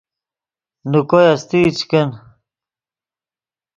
نے کوئے استئی چے کن